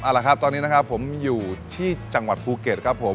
เอาละครับตอนนี้นะครับผมอยู่ที่จังหวัดภูเก็ตครับผม